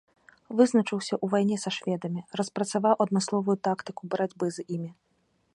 Вызначыўся ў вайне са шведамі, распрацаваў адмысловую тактыку барацьбы з імі.